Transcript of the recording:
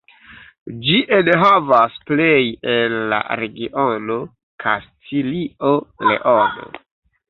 Ĝi enhavas plej el la regiono Kastilio-Leono.